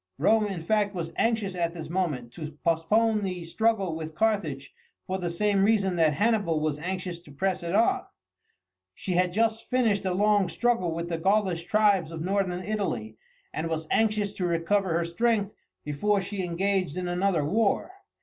Rome, in fact, was anxious at this moment to postpone the struggle with Carthage for the same reason that Hannibal was anxious to press it on. She had but just finished a long struggle with the Gaulish tribes of Northern Italy, and was anxious to recover her strength before she engaged in another war.